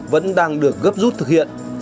vẫn đang được gấp rút thực hiện